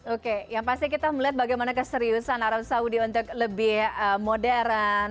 oke yang pasti kita melihat bagaimana keseriusan arab saudi untuk lebih modern